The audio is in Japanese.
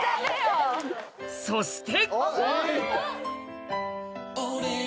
そして！